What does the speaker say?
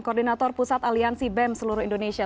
koordinator pusat aliansi bem seluruh indonesia